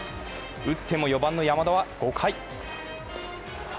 打っても４番の山田は５回。